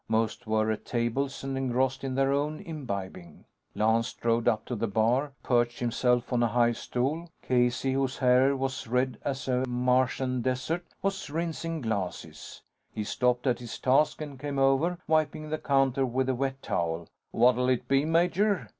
Most were at tables and engrossed in their own imbibing. Lance strode up to the bar, perched himself on a high stool. Casey, whose hair was red as a Martian desert, was rinsing glasses. He stopped at his task and came over, wiping the counter with a wet towel. "What'll it be, major?"